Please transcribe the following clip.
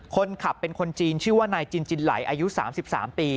คนขับเป็นคนจีนชื่อว่านายจินจินไหลอายุ๓๓ปี